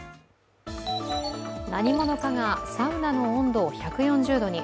何者かがサウナの温度を１４０度に。